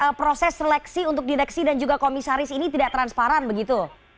apakah proses seleksi untuk direksi dan juga komisaris ini tidak transparan begitu